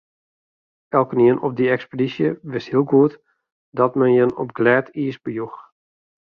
Elkenien op dy ekspedysje wist hiel goed dat men jin op glêd iis bejoech.